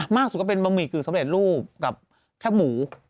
มากสุดก็เป็นบะหมี่กึ่งสำเร็จรูปกับแคบหมู